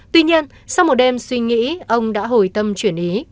tuy nhiên sau một đêm suy nghĩ ông đã hồi tâm chuyển ý